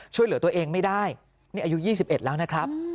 ช่วยเหลือตัวเองไม่ได้นี่อายุ๒๑แล้วนะครับ